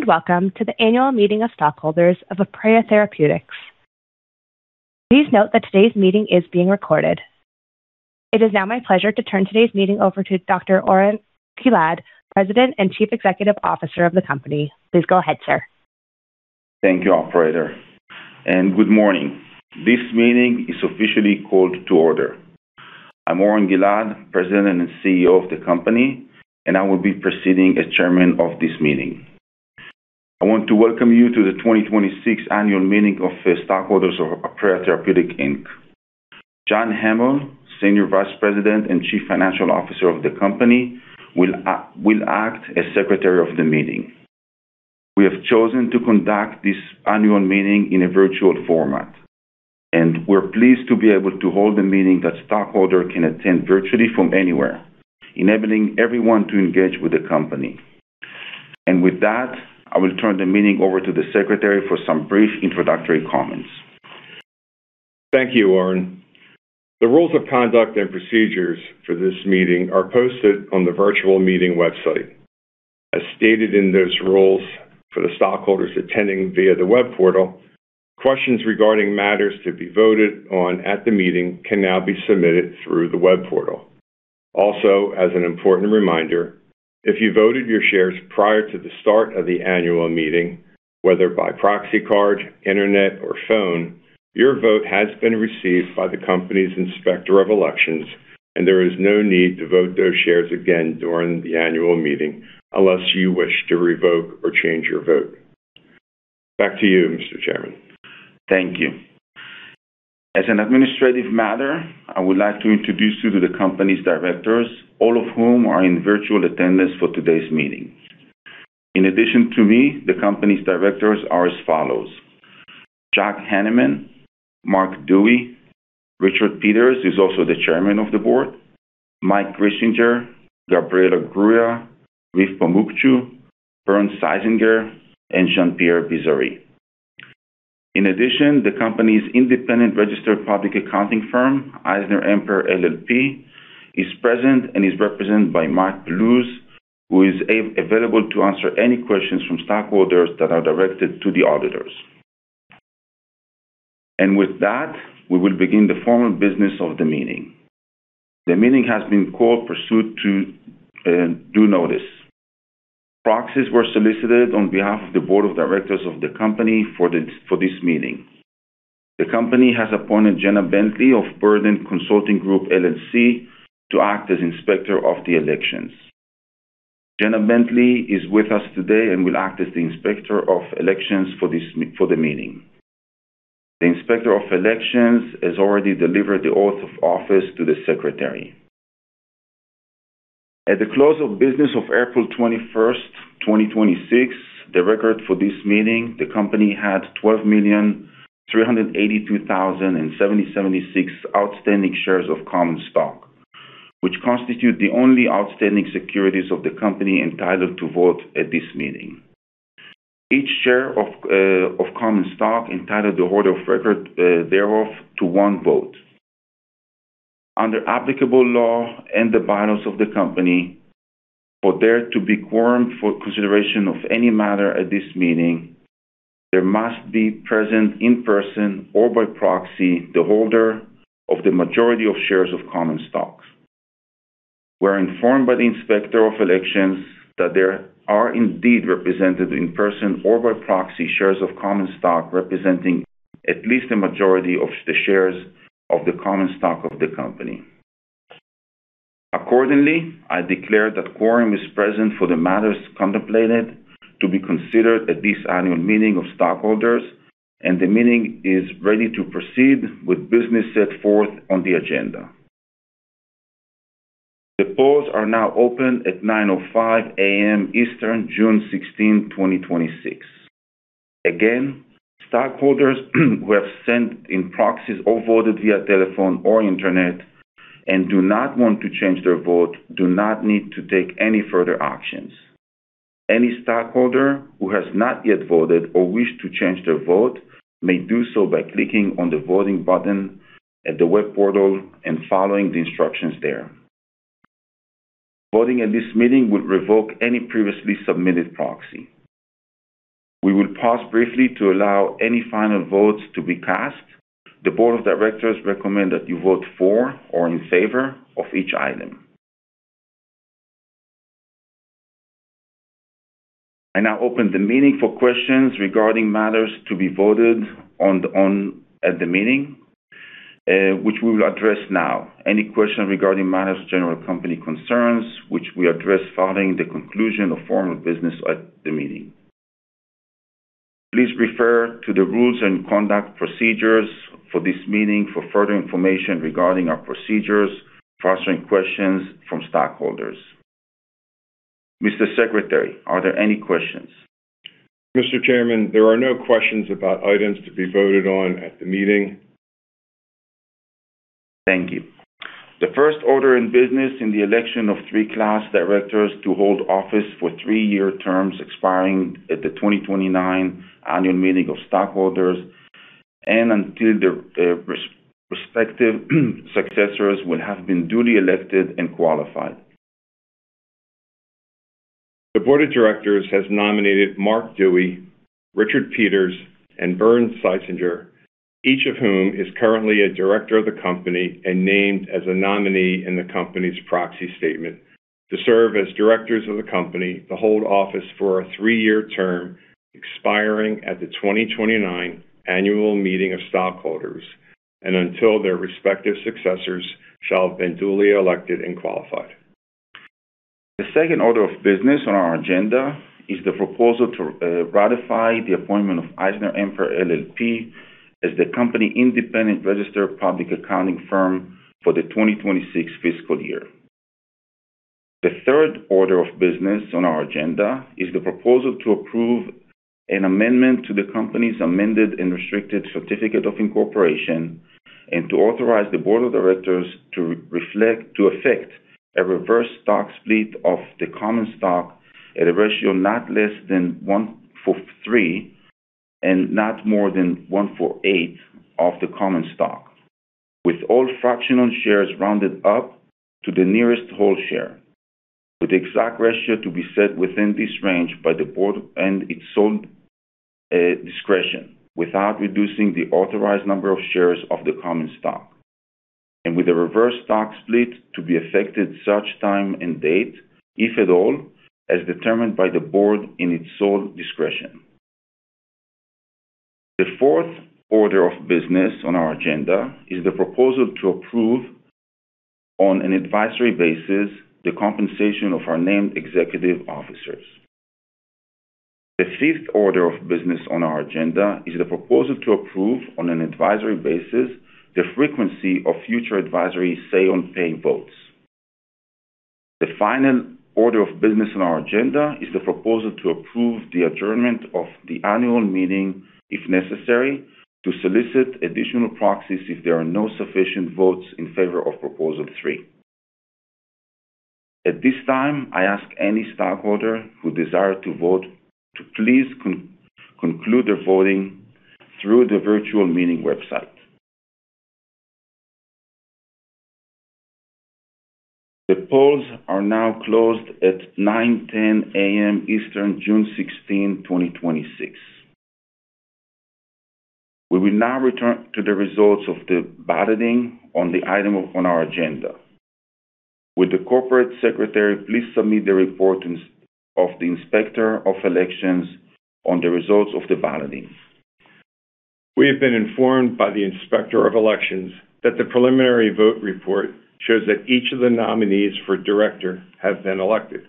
Hello and welcome to the annual meeting of stockholders of Aprea Therapeutics. Please note that today's meeting is being recorded. It is now my pleasure to turn today's meeting over to Dr. Oren Gilad, President and Chief Executive Officer of the company. Please go ahead, sir. Thank you, operator, and good morning. This meeting is officially called to order. I'm Oren Gilad, President and CEO of the company, and I will be presiding as Chairman of this meeting. I want to welcome you to the 2026 annual meeting of the stockholders of Aprea Therapeutics, Inc. John Hamill, Senior Vice President and Chief Financial Officer of the company, will act as Secretary of the meeting. We have chosen to conduct this annual meeting in a virtual format, and we're pleased to be able to hold a meeting that a stockholder can attend virtually from anywhere, enabling everyone to engage with the company. With that, I will turn the meeting over to the secretary for some brief introductory comments. Thank you, Oren. The rules of conduct and procedures for this meeting are posted on the virtual meeting website. As stated in those rules for the stockholders attending via the web portal, questions regarding matters to be voted on at the meeting can now be submitted through the web portal. Also, as an important reminder, if you voted your shares prior to the start of the annual meeting, whether by proxy card, internet or phone, your vote has been received by the company's Inspector of Elections and there is no need to vote those shares again during the annual meeting unless you wish to revoke or change your vote. Back to you, Mr. Chairman. Thank you. As an administrative matter, I would like to introduce you to the company's Directors, all of whom are in virtual attendance for today's meeting. In addition to me, the company's Directors are as follows: Jack Henneman, Marc Duey, Richard Peters, who's also the Chairman of the Board, Mike Grissinger, Gabriela Gruia, Refik Pamukcu, Bernd Seizinger, and Jean-Pierre Bizzari. In addition, the company's independent registered public accounting firm, EisnerAmper LLP, is present and is represented by Marc Pallo, who is available to answer any questions from stockholders that are directed to the auditors. With that, we will begin the formal business of the meeting. The meeting has been called pursuant to due notice. Proxies were solicited on behalf of the Board of Directors of the company for this meeting. The company has appointed Jenna Bentley of Borden Consulting Group, LLC to act as Inspector of the Elections. Jenna Bentley is with us today and will act as the Inspector of Elections for the meeting. The Inspector of Elections has already delivered the oath of office to the Secretary. At the close of business on April 21st, 2026, the record for this meeting, the company had 12,382,077 outstanding shares of common stock, which constitute the only outstanding securities of the company entitled to vote at this meeting. Each share of common stock entitled the holder of record thereof to one vote. Under applicable law and the bylaws of the company, for there to be quorum for consideration of any matter at this meeting, there must be present in person or by proxy, the holder of the majority of shares of common stocks. We're informed by the Inspector of Elections that there are indeed represented in person or by proxy shares of common stock representing at least a majority of the shares of the common stock of the company. I declare that quorum is present for the matters contemplated to be considered at this annual meeting of stockholders, and the meeting is ready to proceed with business set forth on the agenda. The polls are now open at 9:00 A.M. Eastern, June 16, 2026. Stockholders who have sent in proxies or voted via telephone or internet and do not want to change their vote do not need to take any further actions. Any stockholder who has not yet voted or wish to change their vote may do so by clicking on the voting button at the web portal and following the instructions there. Voting at this meeting would revoke any previously submitted proxy. We will pause briefly to allow any final votes to be cast. The board of directors recommend that you vote for or in favor of each item. I now open the meeting for questions regarding matters to be voted on at the meeting, which we will address now. Any question regarding matters of general company concerns, which we address following the conclusion of formal business at the meeting. Please refer to the rules and conduct procedures for this meeting for further information regarding our procedures for answering questions from stockholders. Mr. Secretary, are there any questions? Mr. Chairman, there are no questions about items to be voted on at the meeting. Thank you. The first order of business is the election of three Class directors to hold office for three-year terms expiring at the 2029 annual meeting of stockholders until their respective successors will have been duly elected and qualified. The board of directors has nominated Marc Duey, Richard Peters, and Bernd Seizinger, each of whom is currently a director of the company and named as a nominee in the company's proxy statement to serve as directors of the company to hold office for a three-year term expiring at the 2029 annual meeting of stockholders, until their respective successors shall have been duly elected and qualified. The second order of business on our agenda is the proposal to ratify the appointment of EisnerAmper LLP as the company's independent registered public accounting firm for the 2026 fiscal year. The third order of business on our agenda is the proposal to approve an amendment to the company's amended and restated certificate of incorporation and to authorize the board of directors to effect a reverse stock split of the common stock at a ratio not less than one for three and not more than one for eight of the common stock, with all fractional shares rounded up to the nearest whole share, with the exact ratio to be set within this range by the board in its sole discretion, without reducing the authorized number of shares of the common stock, and with a reverse stock split to be effected such time and date, if at all, as determined by the board in its sole discretion. The fourth order of business on our agenda is the proposal to approve, on an advisory basis, the compensation of our named executive officers. The fifth order of business on our agenda is the proposal to approve, on an advisory basis, the frequency of future advisory say on pay votes. The final order of business on our agenda is the proposal to approve the adjournment of the annual meeting if necessary to solicit additional proxies if there are no sufficient votes in favor of proposal three. At this time, I ask any stockholder who desire to vote to please conclude their voting through the virtual meeting website. The polls are now closed at 9:10 A.M. Eastern, June 16, 2026. We will now return to the results of the balloting on the item on our agenda. Will the Corporate Secretary please submit the report of the Inspector of Elections on the results of the balloting. We have been informed by the Inspector of Elections that the preliminary vote report shows that each of the nominees for director has been elected.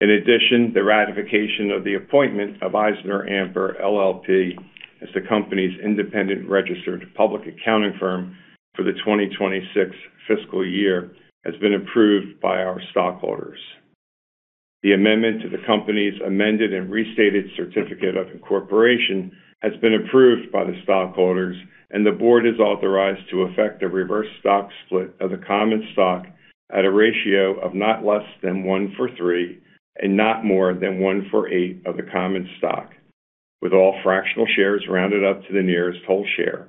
In addition, the ratification of the appointment of EisnerAmper LLP as the company's independent registered public accounting firm for the 2026 fiscal year has been approved by our stockholders. The amendment to the company's amended and restated certificate of incorporation has been approved by the stockholders, and the board is authorized to affect a reverse stock split of the common stock at a ratio of not less than one for three and not more than one for eight of the common stock, with all fractional shares rounded up to the nearest whole share.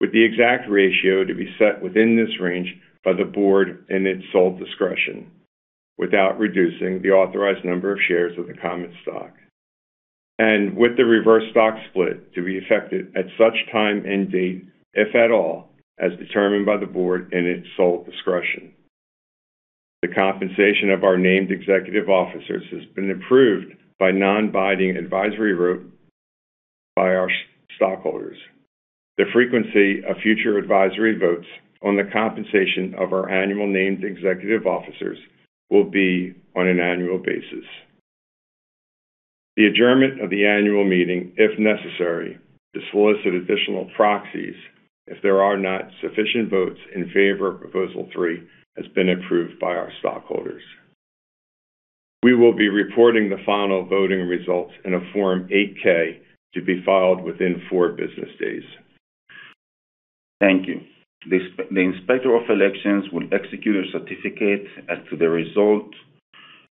With the exact ratio to be set within this range by the board in its sole discretion, without reducing the authorized number of shares of the common stock. With the reverse stock split to be affected at such time and date, if at all, as determined by the board in its sole discretion. The compensation of our named executive officers has been approved by non-binding advisory vote by our stockholders. The frequency of future advisory votes on the compensation of our annual named executive officers will be on an annual basis. The adjournment of the annual meeting, if necessary, to solicit additional proxies if there are not sufficient votes in favor of proposal three, has been approved by our stockholders. We will be reporting the final voting results in a Form 8-K to be filed within four business days. Thank you. The Inspector of Elections will execute a certificate as to the result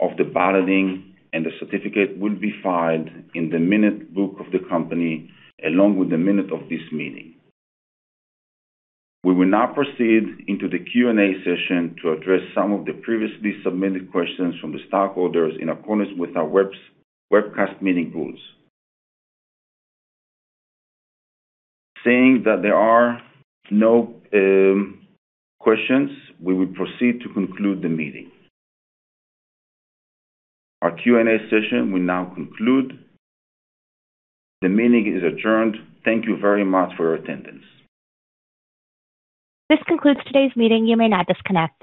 of the balloting, and the certificate will be filed in the minute book of the company, along with the minute of this meeting. We will now proceed into the Q&A session to address some of the previously submitted questions from the stockholders in accordance with our webcast meeting rules. Seeing that there are no questions, we will proceed to conclude the meeting. Our Q&A session will now conclude. The meeting is adjourned. Thank you very much for your attendance. This concludes today's meeting. You may now disconnect.